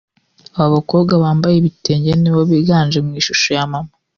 Abakobwa bambaye ibitenge nibo biganje mu mashusho ya Mama